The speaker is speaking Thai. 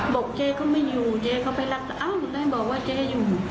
บอกเจ๊เขาไม่อยู่เจ๊เขาไปรักเอาละไงบอกว่าเจ๊อยู่